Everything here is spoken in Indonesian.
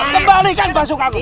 kembalikan basuh ke aku